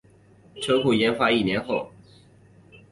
车库研发一年后